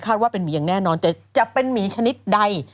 ว่าเป็นหมีอย่างแน่นอนแต่จะเป็นหมีชนิดใด